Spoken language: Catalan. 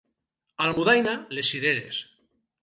A Almudaina, les cireres.